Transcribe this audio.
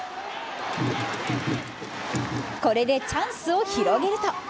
これでチャンスを広げると。